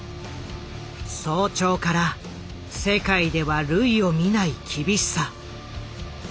早朝から世界では類を見ない厳しさ。